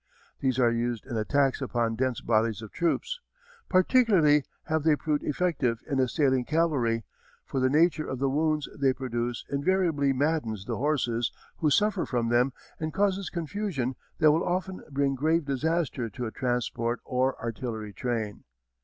These are used in attacks upon dense bodies of troops. Particularly have they proved effective in assailing cavalry, for the nature of the wounds they produce invariably maddens the horses who suffer from them and causes confusion that will often bring grave disaster to a transport or artillery train.